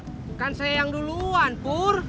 bukan saya yang duluan pur